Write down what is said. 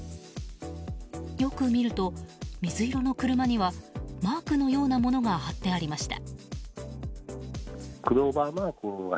よく見ると、水色の車にはマークのようなものが貼ってありました。